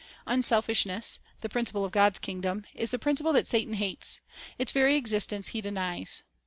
4 Unselfishness, the principle of God's kingdom, is the principle that Satan hates ; its very existence he denies.